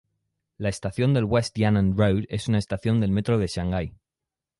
La Estación de West Yan'an Road es una estación del Metro de Shanghái.